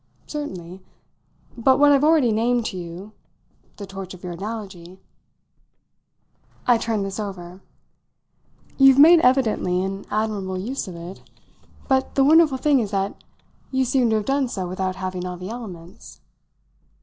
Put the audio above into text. "Certainly. But what I've already named to you the torch of your analogy." I turned this over. "You've made evidently an admirable use of it. But the wonderful thing is that you seem to have done so without having all the elements."